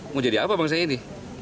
mau jadi apa bangsa ini